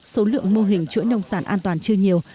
số lượng mô hình chuỗi nông sản an toàn chưa nhiều